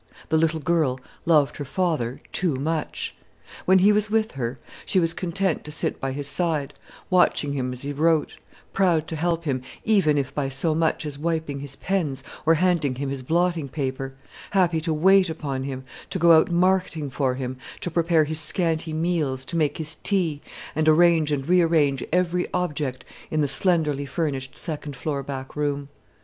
The little girl loved her father too much. When he was with her, she was content to sit by his side, watching him as he wrote; proud to help him, if even by so much as wiping his pens or handing him his blotting paper; happy to wait upon him, to go out marketing for him, to prepare his scanty meals, to make his tea, and arrange and re arrange every object in the slenderly furnished second floor back room.